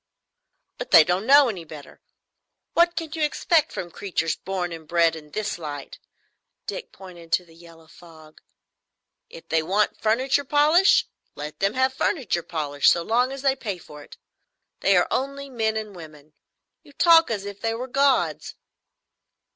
"But they don't know any better. What can you expect from creatures born and bred in this light?" Dick pointed to the yellow fog. "If they want furniture polish, let them have furniture polish, so long as they pay for it. They are only men and women. You talk as if they were gods."